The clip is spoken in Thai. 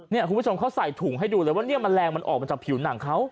คุณผู้ชมเขาใส่ถุงให้ดูเลยว่าเนี่ยแมลงมันออกมาจากผิวหนังเขา